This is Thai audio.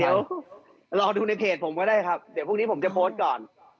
เดี๋ยวรอดูในเพจผมก็ได้ครับเดี๋ยวพรุ่งนี้ผมจะโพสต์ก่อน